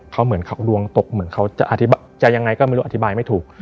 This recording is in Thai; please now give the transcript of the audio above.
เขาเหมือนเขาดวงตกเหมือนเขาจะอธิบายจะยังไงก็ไม่รู้อธิบายไม่ถูก